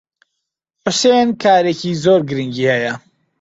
حوسێن کارێکی زۆر گرنگی ھەیە.